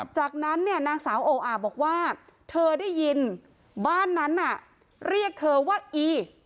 จากนั้นเนี่ยนางสาวโออาบอกว่าเธอได้ยินบ้านนั้นน่ะเรียกเธอว่าอี